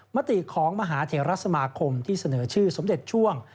มติของมหาเทราสมาคมที่เสนอชื่อสมเด็จช่วง